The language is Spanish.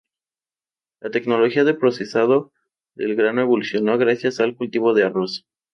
La tecnología de procesado del grano evolucionó gracias al cultivo de arroz.